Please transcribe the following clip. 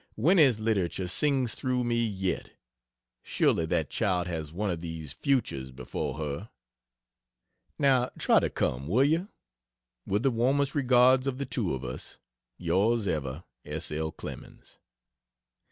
Winnie's literature sings through me yet! Surely that child has one of these "futures" before her. Now try to come will you? With the warmest regards of the two of us Yrs ever, S. L. CLEMENS. Mrs.